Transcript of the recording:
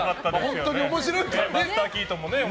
本当に面白いけどね。